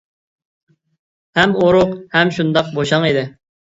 ھەم ئورۇق، ھەم شۇنداق بوشاڭ ئىدى.